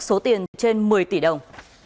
số tiền trên một mươi tỷ đồng